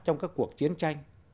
trong các cuộc chiến tranh